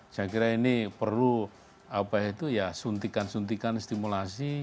saya kira ini perlu suntikan suntikan stimulasi